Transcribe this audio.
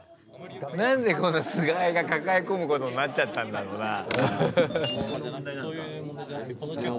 何でこんなスガエが抱え込むことになっちゃったんだろうなあ。